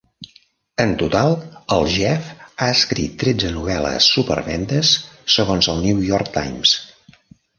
En total, el Jeff ha escrit tretze novel·les supervendes segons el "New York Times."